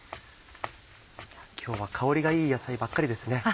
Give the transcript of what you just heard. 今日は香りがいい野菜ばっかりですね。